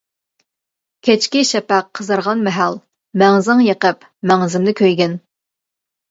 كەچكى شەپەق قىزارغان مەھەل، مەڭزىڭ يېقىپ مەڭزىمدە كۆيگىن!